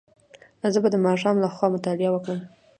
زه به د ماښام له خوا مطالعه وکړم.